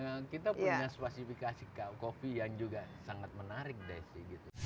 karena kita punya spesifikasi kopi yang juga sangat menarik desi